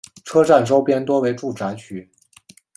车站周边多为住宅区。